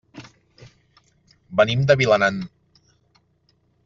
Venim de Vilanant.